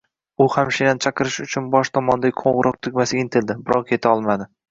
U hamshirani chaqirish uchun bosh tomonidagi qoʻngʻiroq tugmasiga intildi, biroq yeta olmadi